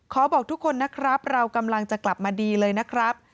บอกทุกคนนะครับเรากำลังจะกลับมาดีเลยนะครับ